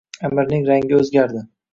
Аmirning rangi oʼzgardi.